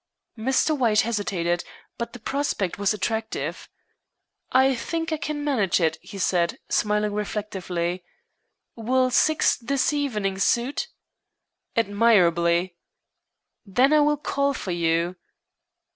Mr. White hesitated, but the prospect was attractive. "I think I can manage it," he said, smiling reflectively. "Will six this evening suit?" "Admirably." "Then I will call for you."